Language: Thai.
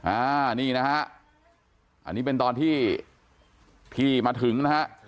อ่านี่นะฮะอันนี้เป็นตอนที่พี่มาถึงนะฮะ